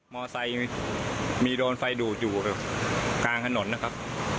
มอเซอร์ไซค์มีโดนไฟดูอยู่กลางถนนนะครับ